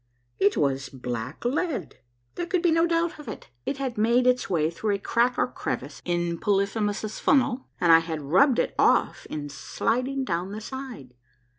It Avas black lead — there could be no doubt of it. It had made its way through a crack or crevice in Polyphemus' Funnel, and I had rubbed it off in sliding down the side.